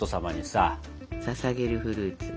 ささげるフルーツ。